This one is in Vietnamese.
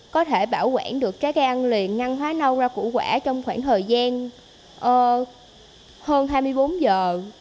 có thể bảo quản được các ăn liền ngăn hóa nâu ra củ quả trong khoảng thời gian hơn hai mươi bốn giờ